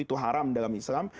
itu haram dalam islam